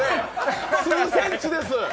数センチです。